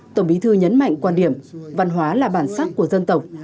tổng bí thư nhấn mạnh quan điểm văn hóa là bản sắc của dân tộc